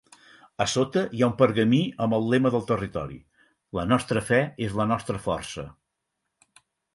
A sota hi ha un pergamí amb el lema del territori: "La nostra fe és la nostra força".